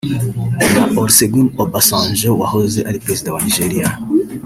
na Olusegun Obasanjo wahoze ari Perezida wa Nigeria